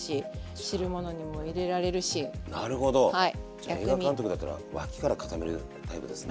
じゃあ映画監督だったら脇からかためるタイプですね。